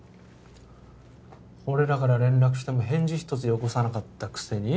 俺らから連絡しても返事一つよこさなかったくせに？